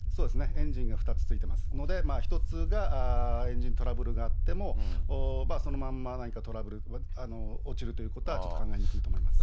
エンジンが２つついてますので、１つがエンジントラブルがあっても、そのまんま何か落ちるということはちょっと考えにくいと思います。